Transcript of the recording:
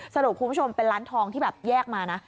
สรุปคุณผู้ชมเป็นร้านทองที่แบบแยกมานะ